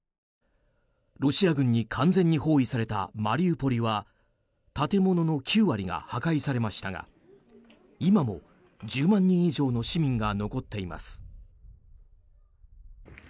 ロシア軍に完全に包囲されたマリウポリは建物の９割が破壊されましたが今も１０万人以上の市民が残っています。